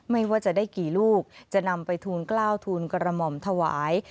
ไม่ว่าจะได้กี่ลูกจะนำไปทูลกล้าวทูลกระหม่อมถวาย